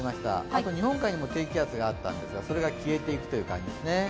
あと日本海にも低気圧があったんですけど、それが消えていくという感じですね。